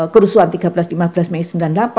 kerusuhan tiga belas lima belas mei